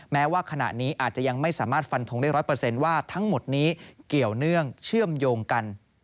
แม้ว่าขณะนี้อาจจะยังไม่สามารถฟันทงได้๑๐๐ว่าทั้งหมดนี้เกี่ยวเนื่องเชื่อมโยงกัน